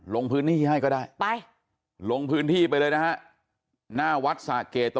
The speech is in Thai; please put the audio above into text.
ลงพื้นที่ให้ก็ได้ไปลงพื้นที่ไปเลยนะฮะหน้าวัดสะเกด